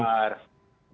selamat malam pak komarudin